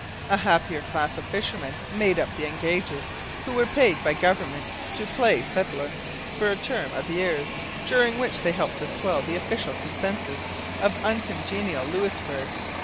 A happier class of fishermen made up the engages, who were paid by government to 'play settler' for a term of years, during which they helped to swell the official census of uncongenial Louisbourg.